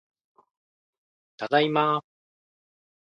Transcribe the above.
ただいま